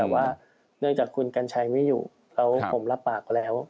แต่ว่าเนื่องจากคุณกัญชัยไม่อยู่แล้วผมรับปากแล้ว